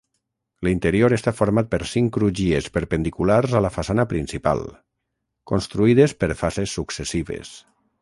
L'interior està format per cinc crugies perpendiculars a la façana principal, construïdes per fases successives.